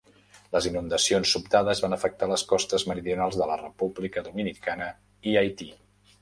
Les inundacions sobtades van afectar les costes meridionals de la República Dominicana i Haití.